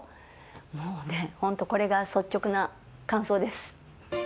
もうね本当これが率直な感想です。